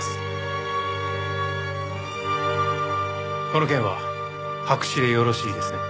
この件は白紙でよろしいですね。